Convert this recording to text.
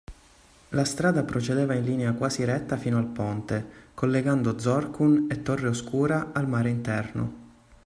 La strada procedeva in linea quasi retta fino al ponte, collegando Zorqun e Torre Oscura al mare interno.